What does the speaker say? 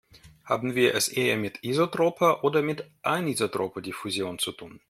Haben wir es eher mit isotroper oder mit anisotroper Diffusion zu tun?